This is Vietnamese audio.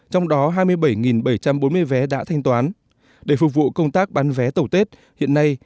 trong đó hai mươi bảy bảy trăm bốn mươi vé đã thanh toán để phục vụ công tác bán vé tàu tết hiện nay